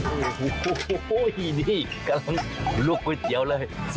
โอ้โหนี่กำลังลวกก๋วยเตี๋ยวเลย